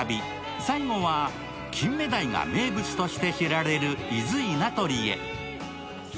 最後は金目鯛が名物として知られる伊豆稲取へ。